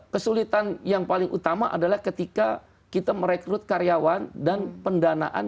kesulitan yang paling utama adalah ketika kita merekrut karyawan dan pendanaan